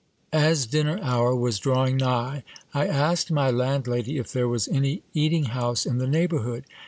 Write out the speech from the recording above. As dinner hour was drawing nigh, I asked my landlady if there was any eat ing house in the neighbourhood.